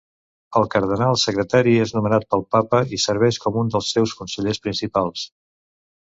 El Cardenal Secretari és nomenat pel Papa, i serveix com un dels seus consellers principals.